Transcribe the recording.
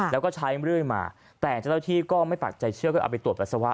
แล้วก็ใช้เรื่อยมาแต่เจ้าหน้าที่ก็ไม่ปักใจเชื่อก็เอาไปตรวจปัสสาวะ